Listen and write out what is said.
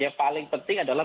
yang paling penting adalah